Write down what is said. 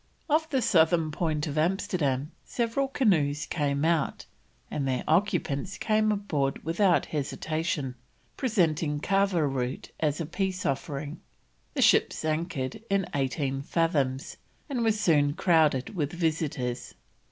Off the southern point of Amsterdam several canoes came out, and their occupants came aboard without hesitation, presenting cava root as a peace offering. The ships anchored in eighteen fathoms, and were soon crowded with visitors.